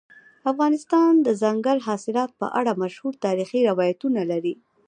افغانستان د دځنګل حاصلات په اړه مشهور تاریخی روایتونه لري.